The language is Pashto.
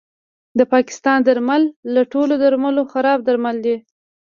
د پاکستان درمل له ټولو درملو خراب درمل دي